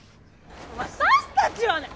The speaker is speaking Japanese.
私たちはね